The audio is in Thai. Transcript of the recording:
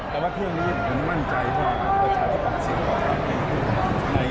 แต่ว่าเพียงนี้คุณมั่นใจว่าประชาธิปัจธิ์จะต่อเนื่องไหม